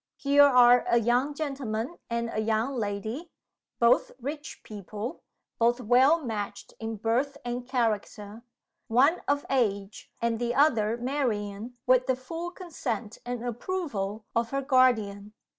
Here are a young gentleman and a young lady, both rich people; both well matched in birth and character; one of age, and the other marrying with the full consent and approval of her guardian.